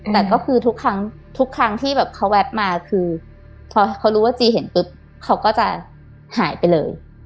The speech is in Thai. แต่ก็คือทุกครั้งทุกครั้งที่แบบเขาแวดมาคือพอเขารู้ว่าจีเห็นปุ๊บเขาก็จะหายไปเลย